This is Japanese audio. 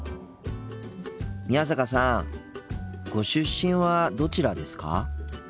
宮坂さんご出身はどちらですか？